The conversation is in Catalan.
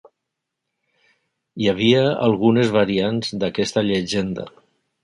Hi havia algunes variants d'aquesta llegenda.